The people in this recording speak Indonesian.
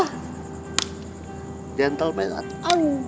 kalo kata bahasa sunda apa